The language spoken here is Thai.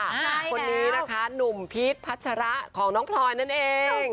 คนนี้นะคะหนุ่มพีชพัชระของน้องพลอยนั่นเอง